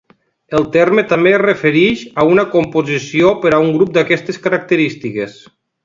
El terme també es refereix a una composició per a un grup d'aquestes característiques.